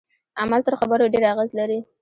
عمل تر خبرو ډیر اغیز لري.